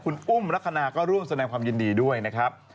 คุณอุ้มลักษณะก็ร่วมแสดงความยินดีด้วยนะครับ